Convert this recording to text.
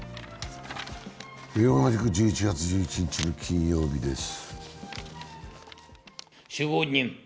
同じく１１月１１日の金曜日です。